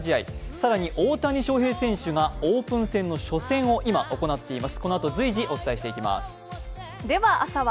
更に大谷翔平選がオープン戦初戦を行っています。